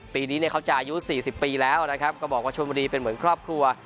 ปีนี้เนี่ยเขาจะอายุ๔๐ปีแล้วนะครับก็บอกว่าชนบุรีเป็นเหมือนครอบครัว